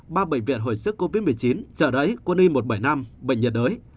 ba bệnh viện hồi sức covid một mươi chín chợ rẫy quân y một trăm bảy mươi năm bệnh nhiệt đới